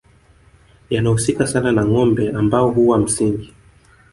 yanahusika sana na ngombe ambao huwa msingi